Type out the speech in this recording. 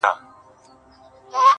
چا تر خولې را بادوله سپین ځګونه -